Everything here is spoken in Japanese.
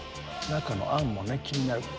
中のあんも気になる。